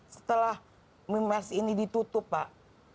setelah memiles ini ditutup pak